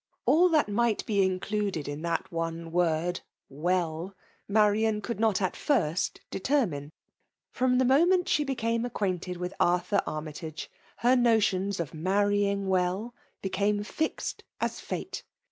All that n^ht be included in that one word ''weU/* Marian could not at first determine. Frojoa tl\^ moment she became acqu^ted with Aithur Arm jtage^ her notion^ of *' man^ng w^*" became fixed as fate.